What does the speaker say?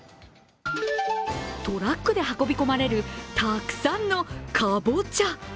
トラックで運び込まれるたくさんのかぼちゃ。